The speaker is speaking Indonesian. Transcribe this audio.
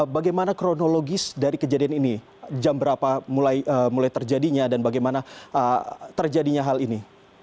bagaimana kronologis dari kejadian ini jam berapa mulai terjadinya dan bagaimana terjadinya hal ini